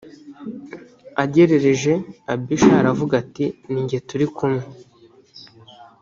agerereje abishayi aravuga ati ni jye turikumwe